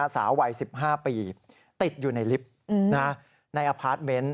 สาววัย๑๕ปีติดอยู่ในลิฟต์ในอพาร์ทเมนต์